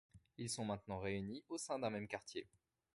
Ils sont maintenant réunis au sein d'un même quartier.